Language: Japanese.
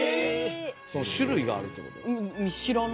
その種類があるってこと？